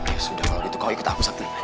ya sudah kalau begitu kau ikut aku sabti